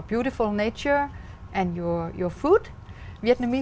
bởi vì văn hóa của việt nam